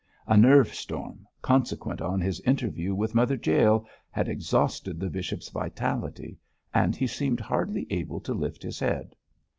A nerve storm, consequent on his interview with Mother Jael, had exhausted the bishop's vitality, and he seemed hardly able to lift his head.